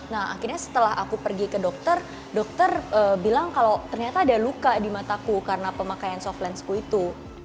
nah akhirnya setelah aku pergi ke dokter dokter bilang kalau ternyata ada luka di mataku karena pemakaian soft lensku itu